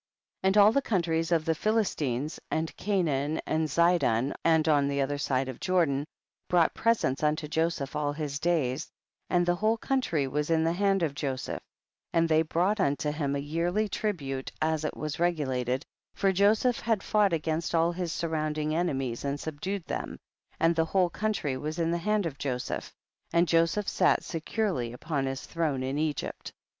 12. And all the countries of the Philistines and Canaan and Zidon, and on the other side of Jordan, brought presents unto Joseph all his days, and the whole country was in the hand of Joseph, and they brought unto him a yearly tribute as it was regulated, for Joseph had fought against all his surrounding enemies and subdued them, and the whole country was in the hand of Joseph, and Joseph sat securely upon his throne in Egypt.